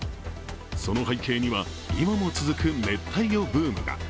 その背景には今も続く熱帯魚ブームが。